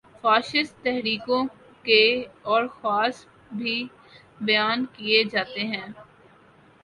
Fascist تحریکوں کے اور خواص بھی بیان کیے جاتے ہیں۔